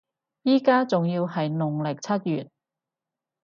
依家仲要係農曆七月